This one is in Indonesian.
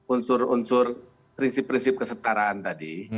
unsur unsur prinsip prinsip kesetaraan tadi